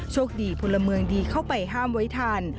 โชคดีพลเมืองดีเข้าไปห้ามไว้ทัน